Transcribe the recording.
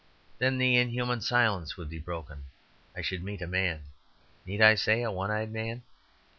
Then the inhuman silence would be broken; I should meet a man (need I say, a one eyed man?)